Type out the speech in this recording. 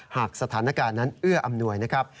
หากสถานการณ์นั้นเอื้ออำนวยนะครับ